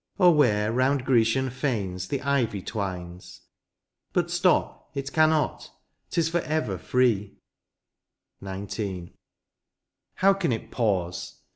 Or where round Grecian fanes the ivy twines. But stop it cannot, 'tis for ever free. XIX. How can it pause